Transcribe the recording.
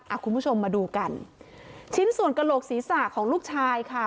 คุณผู้ชมมาดูกันชิ้นส่วนกระโหลกศีรษะของลูกชายค่ะ